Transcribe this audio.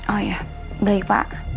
oh iya baik pak